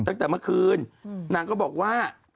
ตั้งแต่เมื่อคืนนางก็บอกว่า